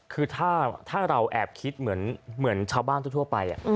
คือถ้าเราแอบคิดเหมือนชาวบ้านทั่วไป